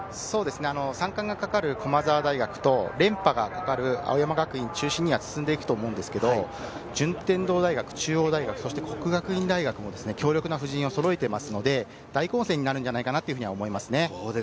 三冠がかかる駒澤大学と連覇がかかる青山学院中心には進んでいくと思うんですけど、順天堂大学、中央大学、國學院大學も強力な布陣をそろえていますので、大混戦になるんじゃないかなとは思いますね。